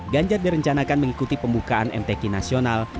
ganjar direncanakan mengikuti pembukaan mtk nasional